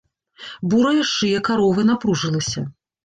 Бурая шыя каровы напружылася.